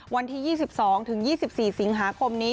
วันที่๒๒ถึง๒๒๔สิงหาคมนี้